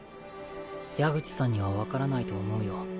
矢口さんには分からないと思うよ。